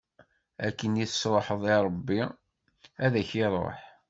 Akken i s-tṛuḥeḍ i Ṛebbi, ad ak-iṛuḥ.